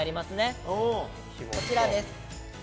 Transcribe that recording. こちらです。